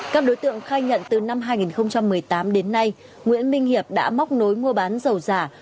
các đối tượng khai nhận từ năm hai nghìn một mươi tám đến nay nguyễn minh hiệp đã móc nối mua bán dầu giả